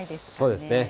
そうですね。